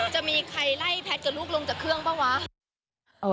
จะมีใครไล่แพทย์กับลูกลงจากเครื่องเปล่าวะ